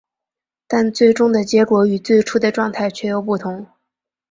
但是最终的结果与最初的状态却又不同。